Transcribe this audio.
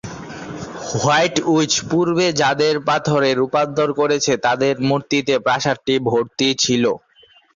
White witch পূর্বে যাদের পাথরে রুপান্তর করেছে তাদের মূর্তিতে প্রাসাদটি ভর্তি ছিল।